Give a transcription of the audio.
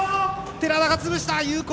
寺田が潰した、有効！